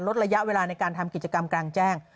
ลดระยะเวลาในการทำกิจกรรมกลางแจ้ง